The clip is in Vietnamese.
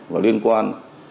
và liên quan